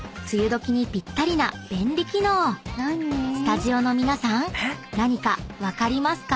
［スタジオの皆さん何か分かりますか？］